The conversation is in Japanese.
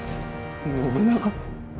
信長。